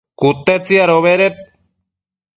cute tsiadobeded